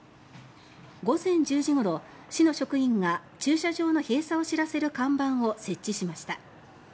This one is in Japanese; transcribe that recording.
午前１０時ごろ、市の職員が駐車場の閉鎖を知らせる看板を設置しました。